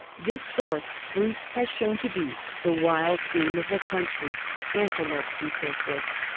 This source Bruce has shown to be the wild game of the country — antelopes and so forth.